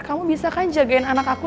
kamu bisa kan jagain anak aku